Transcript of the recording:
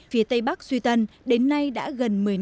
phía tây bắc duy tân đến nay đã gây ra những lợi ích